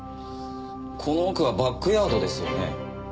この奥はバックヤードですよね。